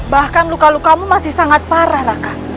bahkan luka lukamu masih sangat parah raka